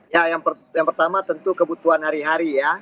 ya yang pertama tentu kebutuhan hari hari ya